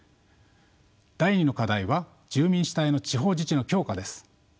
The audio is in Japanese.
第２の課題は住民主体の地方自治の強化です。